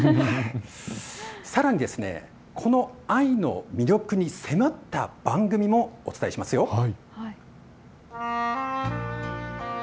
さらにこの藍の魅力に迫った番組もお伝えします。